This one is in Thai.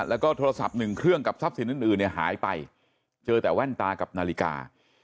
แล้วก็โทรศัพท์หนึ่งเครื่องกับทรัพย์สินอื่นเนี่ยหายไปเจอแต่แว่นตากับนาฬิกา